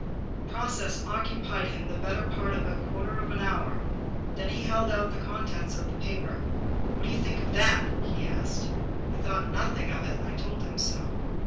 The process occupied him the better part of a quarter of an hour. Then he held out the con tents of the paper. "What do you think of that?'' he asked. I thought nothing of it, and I told him so.